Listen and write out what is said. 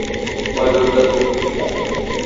বড় বিব্রত বোধ করতে লাগলাম!